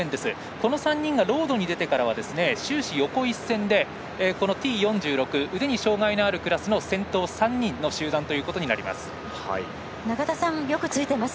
この３人がロードに出てから終始、横一線でこのＴ４６腕に障がいのあるクラスの先頭３人の集団ということになります。